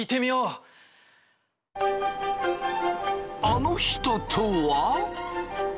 あの人とは？